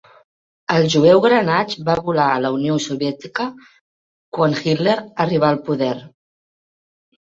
El jueu Granach va volar a la Unió Soviètica quan Hitler arribà al poder.